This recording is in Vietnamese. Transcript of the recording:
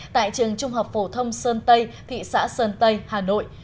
tại trường trung học phổ thông sơn tây thị xã sơn tây hà nội